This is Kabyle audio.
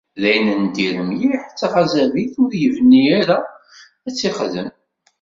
D ayen n dir mliḥ, d taxazabit i ur ibni ara ad tt-ixdem.